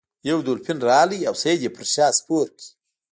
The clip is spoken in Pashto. یو دولفین راغی او سید یې په شا سپور کړ.